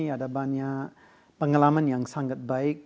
ada banyak pengalaman yang sangat baik